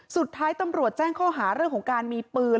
สุดท้ายตำรวจแจ้งข้อหาเรื่องของการมีปืน